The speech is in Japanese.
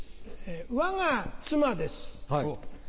わが妻です。